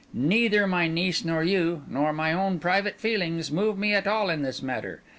Neither my niece nor you, nor my own private feelings, move me at all in this matter.